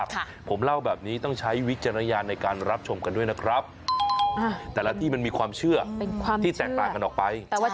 ส่วนใหญ่คนที่เค้าเชื่อนะ